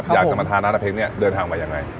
อยากทาน้านอะเพ้งเดินทางมายังไง